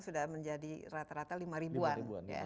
sudah menjadi rata rata lima ribuan